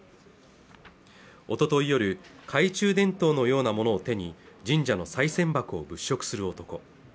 おととい夜懐中電灯のようなものを手に神社のさい銭箱を物色する男